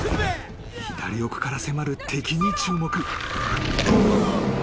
［左奥から迫る敵に注目］